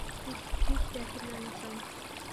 Тик тиҙ тәьҫирләнеүсән.